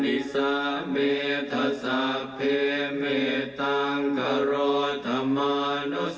ที่รัฐมนตรีประจำสำนักใน